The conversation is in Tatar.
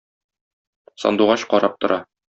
Сандугач карап тора.